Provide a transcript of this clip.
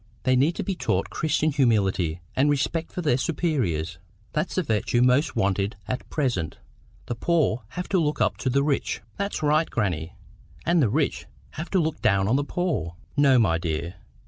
They need to be taught Christian humility and respect for their superiors. That's the virtue most wanted at present. The poor have to look up to the rich"— "That's right, grannie! And the rich have to look down on the poor." "No, my dear.